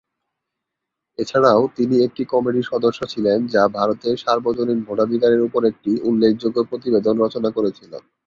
এছাড়াও তিনি একটি কমিটির সদস্য ছিলেন যা ভারতে সার্বজনীন ভোটাধিকারের উপর একটি উল্লেখযোগ্য প্রতিবেদন রচনা করেছিল।